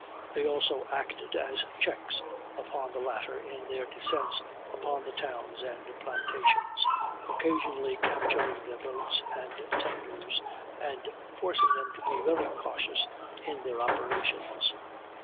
They also acted as checks upon the latter in their descents upon the towns and plantations, occasionally capturing their boats and tenders, and forcing them to be very cautious in their operations.